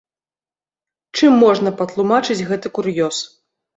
Чым можна патлумачыць гэты кур'ёз?